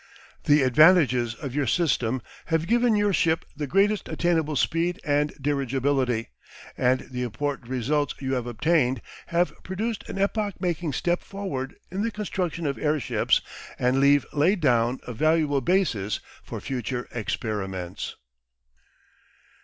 The advantages of your system have given your ship the greatest attainable speed and dirigibility, and the important results you have obtained have produced an epoch making step forward in the construction of airships and leave laid down a valuable basis for future experiments."